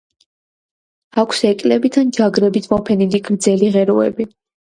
აქვს ეკლებით ან ჯაგრებით მოფენილი გრძელი ღეროები.